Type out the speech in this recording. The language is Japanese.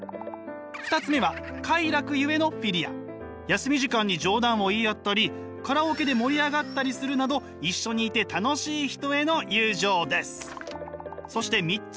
休み時間に冗談を言い合ったりカラオケで盛り上がったりするなど一緒にいて楽しい人への友情です。